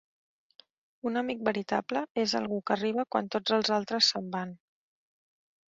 Un amic veritable és algú que arriba quan tots els altres se'n van.